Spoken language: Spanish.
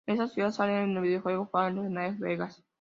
Esta ciudad sale en el videojuego Fallout:New Vegas